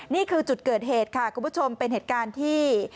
นี่คือจุดเกิดเหตุค่ะคุณผู้ชมเป็นเหตุการณ์ที่